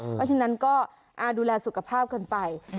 เพราะฉะนั้นก็ดูแลสุขภาพกันไป